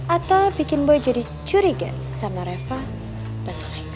atau bikin boy jadi curiga sama reva dan lex